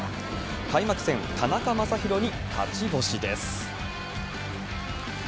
開幕戦、田中将大に勝ち星です。